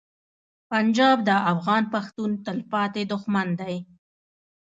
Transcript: پنجاب د افغان پښتون تلپاتې دښمن دی.